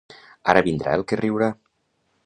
Ara vindrà el que riurà.